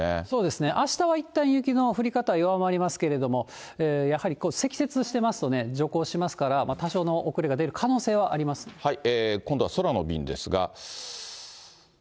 そうですね、あしたはいったん雪の降り方、弱まりますけれども、やはり積雪しておりますと徐行しますから、多少の遅れが出る可能今度は空の便ですが。